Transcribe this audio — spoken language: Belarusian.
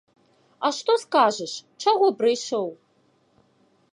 А што скажаш, чаго прыйшоў?